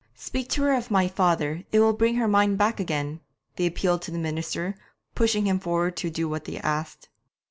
'Speak to her of my father it will bring her mind back again,' they appealed to the minister, pushing him forward to do what they asked.